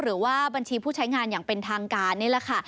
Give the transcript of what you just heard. หรือว่าบัญชีผู้ใช้งานอย่างเป็นทางการนี่แหละค่ะ